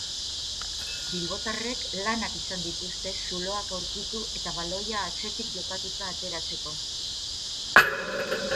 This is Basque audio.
Bilbotarrek lanak izan dituzte zuloak aurkitu eta baloia atzetik jokatuta ateratzeko.